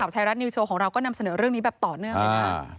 ไทยรัฐนิวโชว์ของเราก็นำเสนอเรื่องนี้แบบต่อเนื่องเลยนะ